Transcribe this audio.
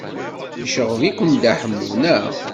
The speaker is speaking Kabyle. Yecɣeb-iken Dda Ḥemmu, naɣ?